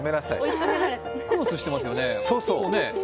クロスしてますよね。